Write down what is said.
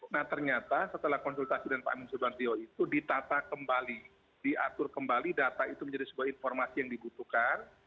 nah ternyata setelah konsultasi dengan pak amin subandrio itu ditata kembali diatur kembali data itu menjadi sebuah informasi yang dibutuhkan